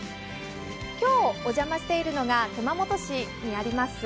今日お邪魔しているのが熊本市にあります